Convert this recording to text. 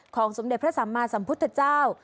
สมเด็จพระสัมมาสัมพุทธเจ้า